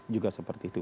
juga seperti itu